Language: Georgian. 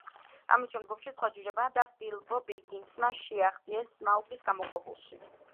ამით შემდგომში სხვა ჯუჯებმა და ბილბო ბეგინსმა შეაღწიეს სმაუგის გამოქვაბულში.